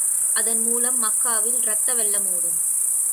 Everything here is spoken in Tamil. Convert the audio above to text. அதன் மூலம் மக்காவில் இரத்த வெள்ளம் ஒடும்.